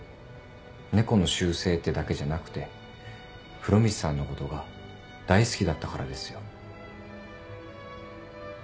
猫の習性ってだけじゃなくて風呂光さんのことが大好きだったからですよ。